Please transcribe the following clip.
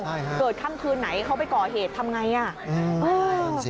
เกิดขั้นคืนไหนเขาไปก่อเหตุทำอย่างไร